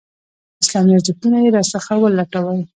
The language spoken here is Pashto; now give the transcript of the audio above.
اسلامي ارزښتونه یې راڅخه ولوټل.